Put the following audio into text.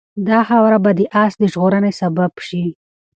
دا خاوره به د آس د ژغورنې سبب شي.